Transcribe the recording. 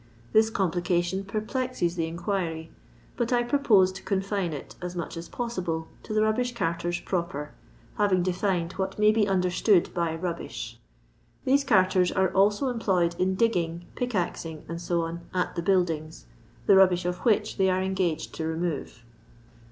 This complication per plexes the inquiry, but I purpose to confine it, as mnch as possible, to the rubbish carters proper, having defined what may be understood by "rubbish." These carters ore also employed in digginff, plek azing, &c., at the buildings, the rubbish of which they are engaged to remove.